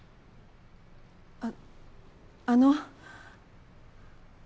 あっあの。